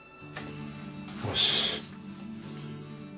よし！